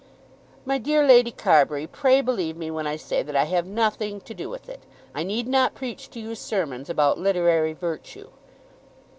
"My dear Lady Carbury, pray believe me when I say that I have nothing to do with it. I need not preach to you sermons about literary virtue."